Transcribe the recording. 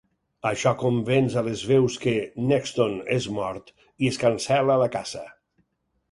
Això convenç a les Veus que n'Exton és mort i es cancel·la la caça.